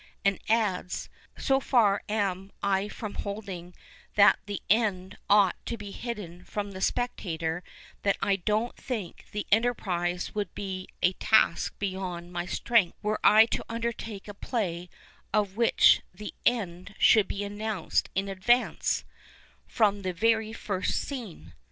and adds, " So far am I from holding that the end ought to be hidden from the spectator that I don't think the enterprise would be a task beyond my strength were I to \mdertake a play of which the end should be announced in advance, from the very first scene."